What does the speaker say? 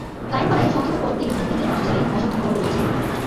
কায়েতপাড়ার সংকীর্ণ পথটির দুদিকে বাশঝাড়ে মশা শুনভন করিতেছিল।